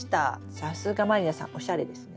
さすが満里奈さんおしゃれですね。